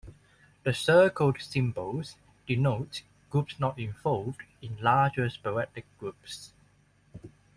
The circled symbols denote groups not involved in larger sporadic groups.